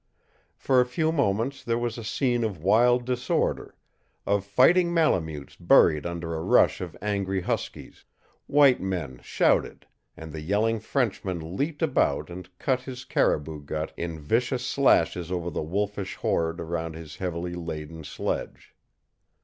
For a few moments there was a scene of wild disorder, of fighting Malemutes buried under a rush of angry huskies, while men shouted, and the yelling Frenchman leaped about and cut his caribou gut in vicious slashes over the wolfish horde around his heavily laden sledge.